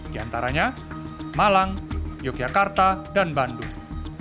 di antaranya malang yogyakarta dan bandung